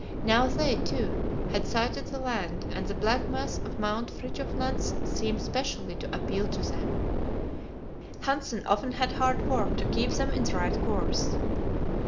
Now they, too, had sighted the land, and the black mass of Mount Fridtjof Nansen seemed specially to appeal to them; Hanssen often had hard work to keep them in the right course.